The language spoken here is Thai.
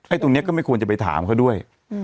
ตรงนี้ก็ไม่ควรจะไปถามเขาด้วย